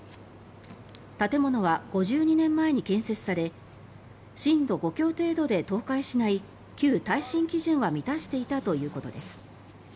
建物は５２年前に建設され震度５強程度で倒壊しない旧耐震基準は満たしていたということです。